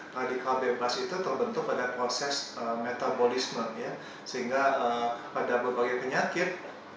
radikal bebas itu terbentuk pada proses metabolisme sehingga pada berbagai penyakit